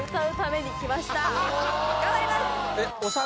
もう頑張ります